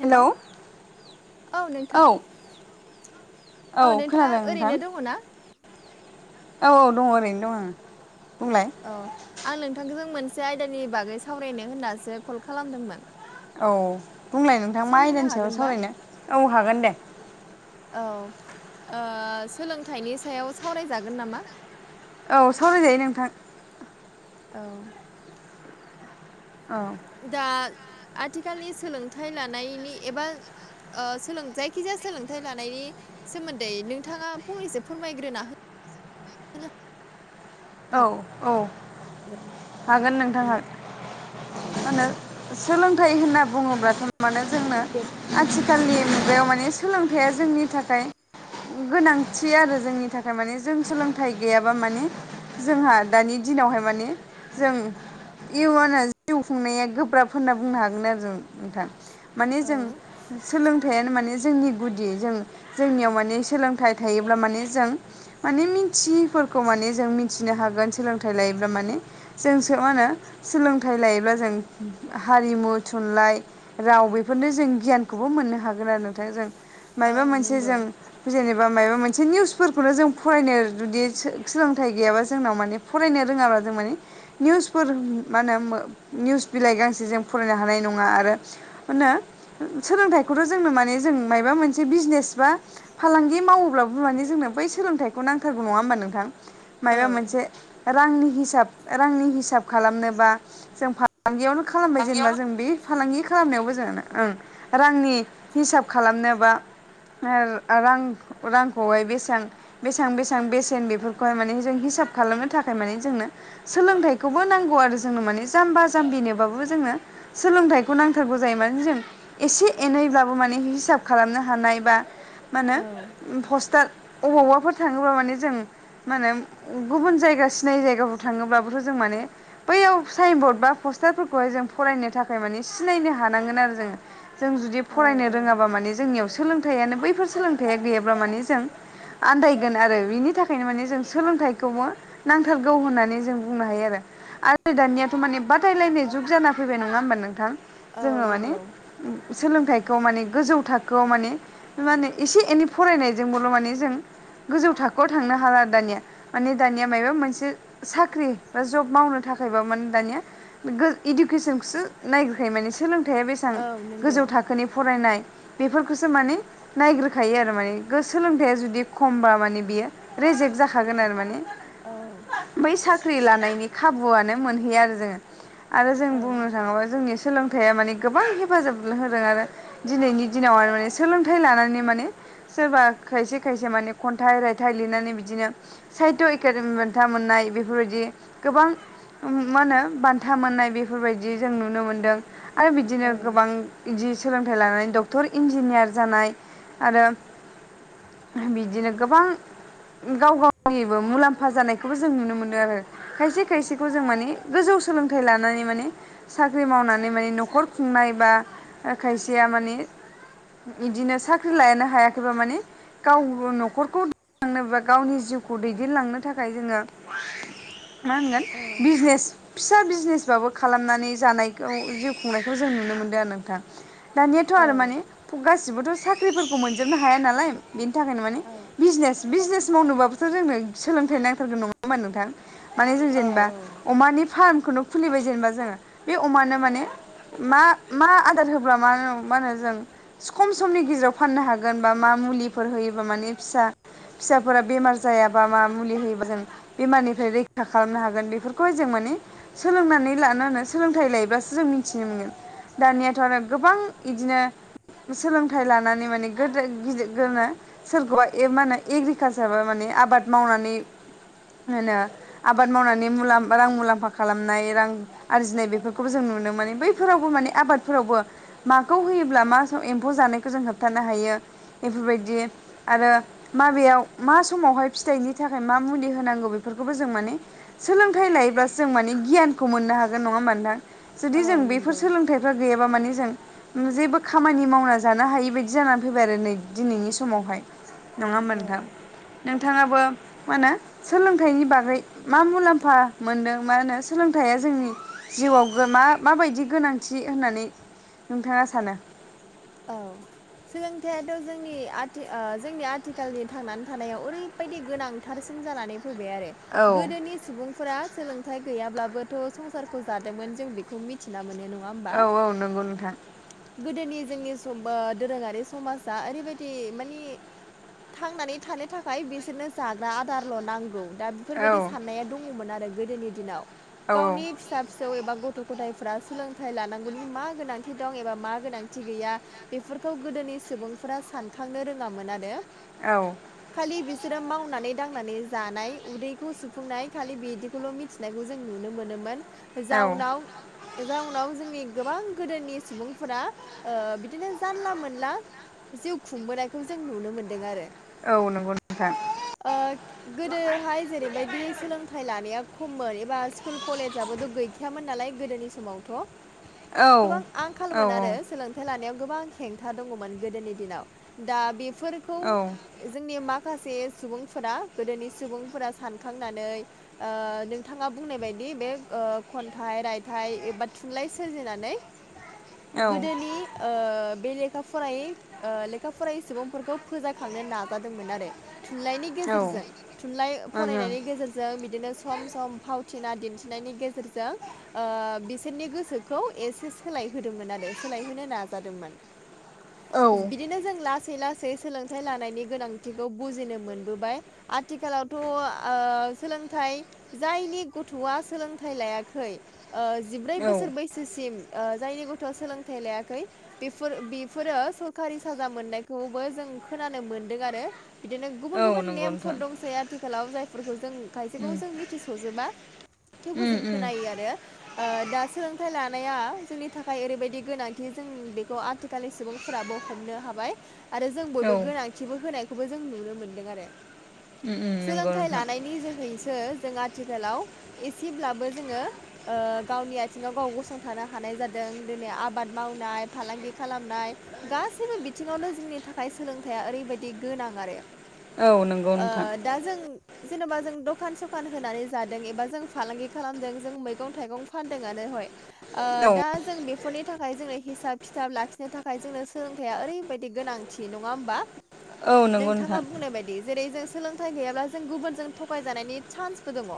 हेल' hello औ औ नोंथां। औ नोंथांङा खोनादों नोंथां ओरैनो दंङ ना? औ औ दंङ ओरैनो दं आं बुंलाय। अ आं नोंथांखौ जों मोनसे आयदानि बागै सावरायनो होननासो कल खालामदोंमोन। औ बुंलाय नोंथां सम मा होनो आयदानि सायाव हागोनबा? सावरायनो औ हागोन दे। औ ओ सोलोंथाइनि सायाव सावरायजागोन नामा? औ सावरायजायो नोंथां। औ। औ। दा आथिखालनि सोलोंथाइ लानायनि एबा ओ सोलोंथाइ जायखिजाया सोलोंथाइ लानायनि सोमोन्दै नोंथांङा फंनैसो फोरमायग्रोना हो औ हागोन औ हागोन नोंथांङा नामा? माहोनो सोलोंथाइ होनना बुंङोब्लाथ' माने जोंनो दे आथिखालनि मुगायाव माने सोलोंथाइआ जोंनि थाखाय गोनांथि आरो जोंनि थाखाय माने जों सोलोंथाइ गैयाबा माने जोंहा दानि दिनावहाय माने जों इउनाव जिउ खुंनाया गोब्राब होनना बुंनो हागोन आरो जों नोंथां। माने औ जों सोलोंथाइयानो माने जोंनि गुदि जों जोंनियाव माने सोलोंथाइ थायोब्ला माने जों माने मिथियैफोरखौ माने जों मिथि नो होन सोलोंथाइ लायोब्ला माने जों मा होनो सोलोंथाइ लायोब्ला जों हारिमु, थुनलाइ, राव बेफोरनो जों गियानखौबो मोननो हागोन आरो नोंथांजों औ मायबा मोनसे नंगौ जों जेनेबा माबा मोनसे निउसफोरखौनो जों फरायनो जुदि सोलोंथाइ गैयाबा जोंनाव माने फरायनो रोङाब्ला जों माने निउसफोर मा होनो निउस बिलाइ गांसे जों फरायनो हानाय नङा आरो मा होनो सोलोंथाइखौथ' जोंनो माने जों मायबा मोनसे बिजनेस बा फालांगि मावोब्लाबो माने जोंनो बै सोलोंथाइखौ नांथारगौ नङा होमबा नोंथां औ मायबा मोनसे रांनि हिसाब रांनि हिसाब खालामनोबा जों फालांगियावनो खालामबाय जेनेबा जों बे फालांगि खालामनायावबो जोंनो ओं रांनि हिसाब खालामनोबा रां रांखौहाय बेसेबां बेसां बेसां बेसेन बेफोरखौहाय माने जों हिसाब खालामनो थाखाय माने जोंनो सोलोंथाइखौबो नांगौ आरो जोंनो माने जाम्बा जाम्बिनोबाबो जोङो सोलोंथाइखौ नांथारगौ जायो माने जों एसे एनैब्लाबो माने हिसाब खालामनो हानाय बा मा औ होनो पस्टार अबावबाफोर थाङोबा माने जों मा होनो गुबुन जायगा सिनायि जायगाफ्राव थाङोब्लाबोथ' जों माने बैयाव साइन बर्ड बा पस्टारफोरखौहाय जों फरायनो थाखाय माने सिनायनो हानांगोन आरो जोङो जों जुदि औ फरायनो औ रोङाबा माने जोंनियाव सोलोंथाइयानो बैफोर सोलोंथाइया गैयाब्ला माने जों आन्दायगोन आरो बिनि थाखायनो माने जों सोलोंथाइ खौबो नांथारगौ होननानै जों बुंनो हायो आरो आरो दानियाथ' माने बादायलायनाय जुग जाना फैबाय नङा होमबा नोंथां औ जोङो माने नंगौ सोलोंथाइखौ माने गोजौ थाखोआव माने माने एसे एनै फरायनायजोंबोल' माने जों गोजौ थाखोआव थांनो हाला आरो दानिया माने दानिया मायबा मोनसे साख्रि बा जब मावनो थाखायबा माने दानिया इडुकेसनखौसो नायग्रोखायो माने सोलों सोलोंथाया बेसेबां औ नंगौ गोजौ थाखोनि फरायनाय बेफोरखौसो माने नायग्रोखायो आरो माने सोलोंथाइा जुदि खमबा माने बियो रेजेक्ट जाखागोन आरो मान [unintelligible] औ बै साख्रि लानायनि खाबुआनो मोनहैयो आरो जोङो आरो जों बुंनो औ थाङोबा जोंनि सोलोंथाइया माने गोबां हेफाजाब होदों आरो दिनैनि दिनाव आरो माने सोलोंथाइ लानानै माने सोरबा खायसे खायसे माने खन्थाइ रायथाइ लिरनानै बिदिनो साहित्य एकाादेमि बान्था मोननाय बेफोरबायदि गोबां मा होनो बान्था मोननाय बेफोरबायदि जों नुनो मोनदों आरो औ बिदिनो गोबां बिदि सोलोंथाइ लानानै डक्टर इन्जिनियार जानाय आरो बिदिनो गोबां गाव गाव निबो मुलाम्फा जानायखौबो जों नुनो मोनो आरो खायसे खायसेखौ जों माने गोजौ सोलोंथाइ लानानै माने साख्रि मावनानै माने न'खर खुंनाय बा खायसेया माने बिदिनो साख्रि लायानो हायाखैबा माने गाव न'खरखौलांनोब गावनि जिउखौ दैदेनलांनो थाखाय जोङो मा होनगोन बिजनेस फिसा बिजनेसबाबो खालामनानै जानायखौ जिउ खुंनायखौ जों नुनो मोनदों आरो नोंथां दानियाथ' आरो माने गासिबोथ' साख्रिफोरखौ मोनजोबनो हाया नालाय बेनि थाखायनो माने औ बिजनेस बिजनेस मावनोबाबोथ' जोंनो सोलोंथाइ नांथारगोन नङा होमबा नोंथां माने जों औ जेनेबा अमानि फार्मखौनो खुलिबाय जेनेबा जोङो बे अमानो माने मा मा आदार होब्ला मा मा होनो जों खम समनि गेजेराव फाननो हागोन बा मा मुलिफोर होयोबा माने फिसा फिसाफोरा बेमार जायाबा मा मुलि होयोबा जों बेमारनिफ्राय रैखा खालामनो हागोन बेफोरखौहाय जों माने सोलोंनानै लानो होनो सोलोंथाइ लायोब्लासो जों मिथिनो मोनगोन दानियाथ' आरो गोबां बिदिनो सोलोंथाइ लानानै माने गोदो गिदि [unintelligible] सोरखौबा मा होनो एग्रिकालसारा माने आबाद मावनानै होनो आबाद मावनानै मुला रां मुलाम्फा खालामनाय रां आरजिनाय बेफोरखौबो जों नुनो मोनाने बैफोरावबो माने आबादफोरावबो माखौ होयोब्ला मा एम्फौ जानायखौ जों होबथानो हायो बेफोरबायदि आरो माबेयाव मा समावहाय फिथाइनि थाखाय मा मुलि होनांगौ बेफोरखौबो जों माने सोलोंथाइ लायोब्लासो जों माने गियानखौ मोननो हागोन नङा मानोंथां जुदि जों औ बेफोर नंगौ सोलोंथाइ गैयाबा माने जों जेबो खामानि मावना जानो हायि बायदि जानानै फैबाय आरो नै दिनैनि समावहाय नङा होनबा नोंथां औ नोंथाङाबो मा होनो सोलोंथाइनि बागै मा मुलाम्फा मोनदों मा होनो सोलोंथाइया जोंनि जिउआव मा माबायदि गोनांथि होननानै नोंथाङा सानो सोलोंथाइाथ' जोंनि आथि जोंनि आथिखालनि थांनानै थानायाव ओरैबायदि गोनां थारसिन जानानै फैबाय आरो औ गोदोनि सुबुंफोरा सोलोंथाइ गैयाब्लाबोथ' संसारखौ जादोंमोन जों बेखौ मिथि फथिना मोनो नङा होमबा न नोंगौ नोंथां गोदोनि जोंनि [unintelligible] दोरोङारि समाजा ओरैबायदि माने थांनानै थानो थाखाय बिसोरनो जाग्रा आदारल' नांगौ दा औ बेफोरबायदि साननाया दङमोन आरो गोदोनि दिनाव औ गावनि फिसा फिसौ एबा गथ' गथायफ्रा सोलोंथाइ लानांगौनि मा गोनांथि दं एबा मा गोनांथि गैया बेफोरखौ गोदोनि सुबुंफोरा सानखांनो रोङामोन आरो औ खालि बिसोरो मावनानै दांनानै जानाय उदैखौ सुफुंनाय खालि बिदिखौल' मिथि नाय जों नुनो मोनोमोन जाउनाव जाउनाव जोंनि गोबां गोदोनि सुबुं फोरा ओ बिदिनो जानला मोनला जिउ खुंबोनायखौ जों नुनो मोनदों आरो औ नंगौ नोंथां ओ गोदोहाय जेरैबायदि सोलोंथाइ लानाया खममोन एबा स्कुल कलेजाबोथ गै खायामोन नालाय गोदोनि समावथ' औ आंखाल औ मोनानो सोलोंथाइ लानायाव गोबां हेंथा दङमोन गोदोनि दिनाव दा बेफोर खौ औ ओं जोंनि माखासे सुबुंफोरा गोदोनि सुबुंफोरा सानखांनानै ओ नोंथाङा बुंनाय बायदि बे ओ खन्थाइ रायथाइ एबा थुनलाइ सोरजिनानै ओं गोदोनि बे लेखा फरायै लेखा फरायै सुबुंफोरखौ फोजाखांनो नाजादोंमोन आरो थुनलाइनि औ गेजेरजों थुनलाइ फरायनायनि गेजेरज जों बिदिनो सम सम फावथिना दिन्थिनायनि गेजेरजों ओ बिसोरनि गोसोखौ एसे सोलाय होदोंमोन आरो सोलायहोनो नाजादोंमोन बिदिनो जों लासै लासै सोलोंथाइ लानायनि गोनांथिखौ बुजिनो मोनबोबाय आथिखालावथ' ओ सोलोंथाइ जायनि गथ'आ सोलोंथाइ लायाखै ओ जिब्रै बोसोर औ बैसोसिम ओ जायनि गथ'आ सोलोंथाइ लायाखै बेफोर बेफोरो सरखारि साजा मोननायखौबो जों खोनानो मोनदों आरो। बिदिनो गुबुन औ गुबुन नंगौ नेमफोर नोंथां दंसै आथिखालाव जायफोरखौ जों खायसेखौ उम जों मिथिस'जोबा थेवबो जों उम उम खोनायो आरो। ओ दा सोलोंथाइ लानाया जोंनि थाखाय ओरैबायदि गोनांथि जों बेखौ आथिखालनि सुबुंफोराबो हमनो हाबाय। आरो जों औ बयबो उम गोनांथिबो होनायखौबो जों नुनो मोनदों आरो। उम नंगौ सोलोंथाइ नोंथां लानायनि जोहैसो जों आथिखालाव एसेब्लाबो जोङो ओ गावनि आथिङाव गाव गसंथानो हानाय जा दों दिनै आबाद मावनाय फालांगि खालामनाय गासैबो बिथिङावनो जोंनि थाखाय सोलोंथाया ओरैबायदि गोनां आरो औ नंगौ ओ नोंथां दा जों जेन'बा जों दखान सखान होनानै जादों एबा जों फालांगि खालामदों जों मैगं थाइगं फानदों आनो हय ओ औ दा जों बेफोरनि थाखाय जोंनो हिसाब खिथाब लाखिनो थाखाय जोंनो सोलोंथाइया ओरैबायदि गोनांथि नङा होमबा। औ नंगौ नोंथाङा नोंथां बुंनाय बाय दि जेरै जों सोलोंथाइ गैयाब्ला जों गुबुनजों थगायजानायनि चान्सबो दङ।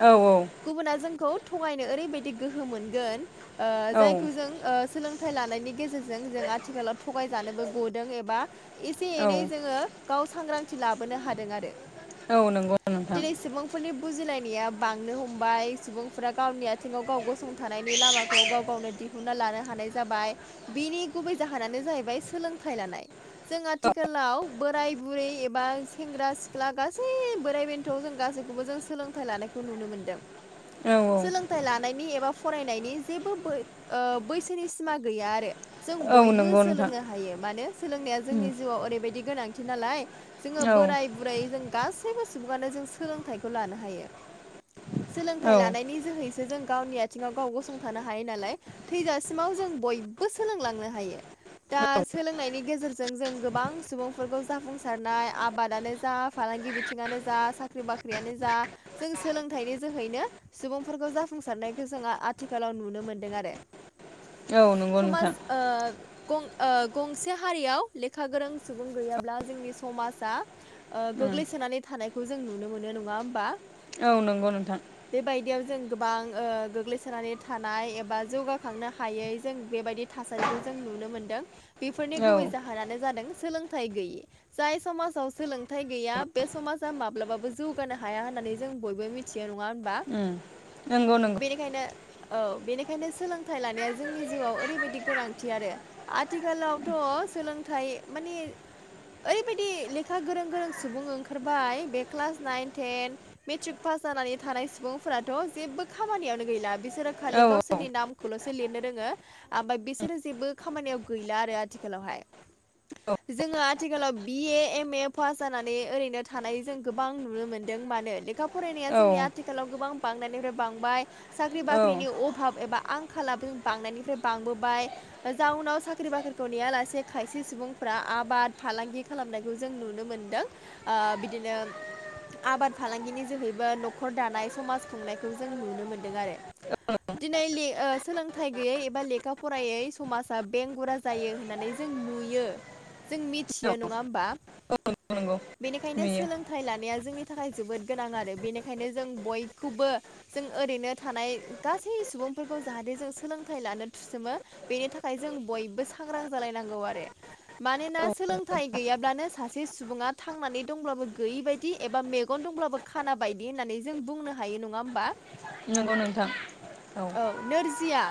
औ औ गुबुना जोंखौ थगायनो ओरैबायदि गोहो मोनगोन ओ औ जायखौ जों ओ सोलों थाय लानायनि गेजेरजों जों आथिखालाव थगायजानोबो गदों एबा एसे औ एनै जोङो गाव सांग्रांथि लाबोनो हादों आरो औ नंगौ नोंथां दिनै सुबुं फोरनि बुजिलायनाया बांनो हमबाय सुबुंफोरा गावनि आथिङाव गाव गसंथानायनि लामा खौ गाव गावनो दिहुनना लानो हानाय जाबाय बिनि गुबै जाहोनानो जाहैबाय सोलोंथाइ लानाय। जों आथिखालाव बोराय बुरै एबा सेंग्रा सिख्ला गासै बोराइ बेन थ' जों गासैखौबो जों सोलोंथाइ लानायखौ नुनो मोन्दों। औ औ सोलोंथाइ लानायनि एबा फरायनायनि जेबो बै ओ बैसोनि सिमा गैया आरो। जों औ बयबो नंगौ नोंथां सोलोंनो हायो मानो सोलोंनाया जोंनि जिउआव ओरैबायदि गोनांथि नालाय जोङो औ बोराय बुरै जों गासैबो सुबुङानो जों सोलोंथाइखौ लानो हायो। औ सोलोंथाइ लानायनि जोहैसो जों गावनि आथिङाव गाव गसं थानो हायो नालाय थैजासिमाव जों बयबो सोलोंलांनो हायो दा सोलोंनायनि गेजेरजों जों गोबां सुबुंफोरखौ जाफुंसारनाय आबादानो जा फालांगि बि थिङानो जा साख्रि बाख्रियानो जा जों सोलोंथाइनि जोहैनो सुबुंफोरखौ जाफुंसारनायखौ जोंहा आथि खालाव नुनो मोनदों आरो। औ नंगौ समाज नोंथां ओ गं ओ गंसे हारियाव लेखा गोरों सुबुं गैयाब्ला जोंनि समाजा ओ गोग्लैसोनानै थानायखौ जों नुनो मोनो नङा होमबा? औ नंगौ नोंथां। बेबायदियाव जों गोबां ओ गोग्लैसोनानै थानाय एबा जौगाखांनो हायै जों बेबायदि थासारिखौ जों नुनो मोनदों। बेफोरनि औ गुबै जाहोनानो जादों सोलोंथाइ गैयि। जाय समाजाव सोलोंथाइ गैया बे समाजा माब्लाबाबो जौगानो हाया होननानै जों बयबो मि थियो नङा होमबा? उम। बेनिखायनो औ बेनिखायनो सोलोंथाइ लानाया जोंनि जिउआव ओरैबायदि गोनांथि आरो। आथिखालावथ' सोलोंथाइ माने ओरैबायदि लेखा गोरों गोरों सुबुं ओंखारबाय। बे class nine ten matric pass जानानै थानाय सुबुंफोराथ' जेबो खामानियावनो गैला। बिसोरो खालि औ औ गावसोरनि नाम खौल'सो लिरनो रोङो। आमफ्राय बिसोरो जेबो खामानियाव गैला आरो आथिखालावहाय। औ। जोङो आथिखालाव बिए, एम ए पास जानानै ओरैनो थानाय जों गोबां नुनो मोन्दों। मानो लेखा फरायनाया औ जोंनि आथिखालाव गोबां बांनायनिफ्राय बांबाय साख्रि औ बाख्रिनि अभाब एबा आं खालाबो बांनायनिफ्राय बांबोबाय। जाउनाव साख्रि बाख्रिखौ नेयालासे खायसे सुबुंफोरा आबाद फालांगि खालामनायखौ जों नुनो मोनदों। ओ बिदिनो आबाद फालांगिनि जोहैबो न'खर दानाय, समाज खुंनायखौ जों नुनो मोन्दों आरो। दिनै ले ओ सोलोंथाइ गैयै एबा लेखा फरायै समाजा बेंगुरा जायो होननानै जों नुयो जों मिथियो नङा होमबा? नंगौ बेनिखायनो नुयो सोलों थाइ लानाया जोंनि थाखाय जोबोद गोनां आरो। बेनिखायनो जों बयखौबो जों ओरैनो थानाय गासै सुबुंफोरखौ जाहाथे जों सोलोंथाइ लानो थुसोमो बेनि थाखाय जों बयबो सांग्रां जालायनांगौ आरो। मानोना औ सोलोंथाइ गैयाब्लानो सासे सुबुङा थांनानै दंब्लाबो गैयि बायदि एबा मेगन दंब्लाबो खाना बायदि होननानै जों बुंनो हायो नङा होमबा? नंगौ नोंथां, औ। औ नोरजिया